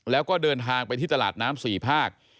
แล้วก็เดินทางไปที่ตลาดน้ำ๔ภาค